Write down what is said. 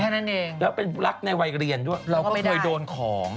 อันนั้นไม่มีของ